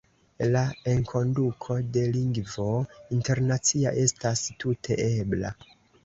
La enkonduko de lingvo internacia estas tute ebla;.